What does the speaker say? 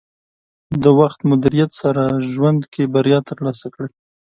د وخت مدیریت سره ژوند کې بریا ترلاسه کړئ.